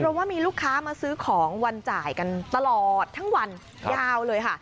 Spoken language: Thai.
เพราะว่ามีลูกค้ามาซื้อของวันจ่ายกันตลอดทั้งวันยาวเลยค่ะ